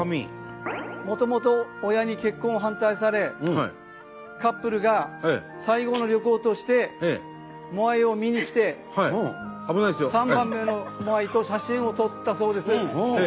もともと親に結婚を反対されカップルが最後の旅行としてモアイを見に来て３番目のモアイと写真を撮ったそうです。